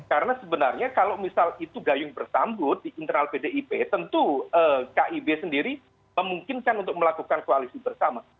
karena sebenarnya kalau misalnya itu gayung bersambut di internal pdip tentu kib sendiri memungkinkan untuk melakukan koalisi bersama